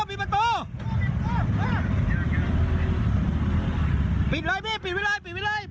ปลิดไว้เลยปิดไว้เลย